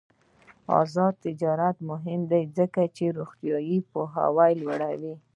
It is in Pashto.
آزاد تجارت مهم دی ځکه چې روغتیايي پوهاوی لوړوي.